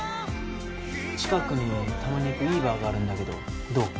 近くにたまに行くいいバーがあるんだけどどう？